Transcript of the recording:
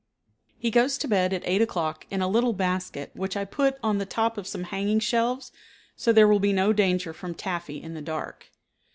He goes to bed at eight o'clock in a little basket which I put on the top of some hanging shelves so there will be no danger from Taffy in the dark.